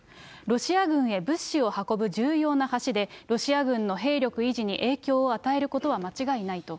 ロシア軍へ物資を運ぶ重要な橋で、ロシア軍の兵力維持に影響を与えることは間違いないと。